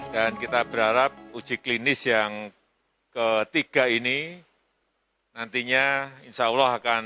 dan kita berharap uji klinis yang ketiga ini nantinya insya allah akan